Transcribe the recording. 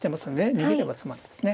逃げれば詰まないですね。